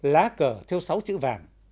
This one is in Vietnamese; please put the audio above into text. lá cờ theo sáu chữ vàng